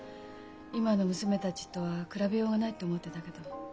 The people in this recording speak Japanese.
今の娘たちとは比べようがないって思ってたけど。